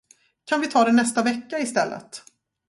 Kan vi ta det nästa vecka istället?